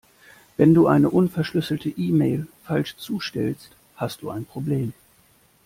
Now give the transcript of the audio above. Wenn du eine unverschlüsselte E-Mail falsch zustellst, hast du ein Problem.